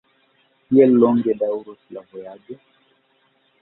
Kiel longe daŭros la vojaĝo?